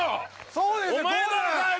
そうですよ